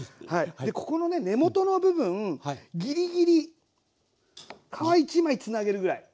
ここのね根元の部分ギリギリ皮一枚つなげるぐらい。